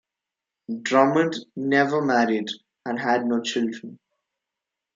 Drummond never married and had no children.